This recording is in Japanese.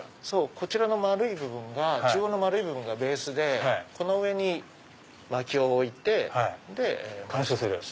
こちらの中央の丸い部分がベースでこの上に薪を置いて燃やすんです。